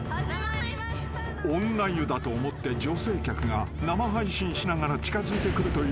［女湯だと思って女性客が生配信しながら近づいてくるという危機的状況］